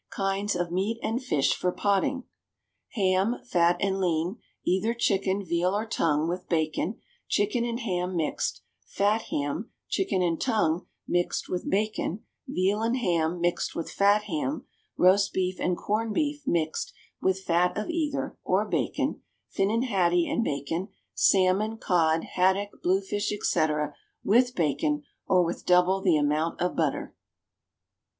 =Kinds of Meat and Fish for Potting.= Ham, fat and lean; either chicken, veal or tongue, with bacon; chicken and ham, mixed, fat ham; chicken and tongue, mixed, with bacon; veal and ham, mixed, with fat ham; roast beef and corned beef, mixed, with fat of either, or bacon; finnan haddie and bacon; salmon, cod, haddock, bluefish, etc., with bacon, or with double the amount of butter.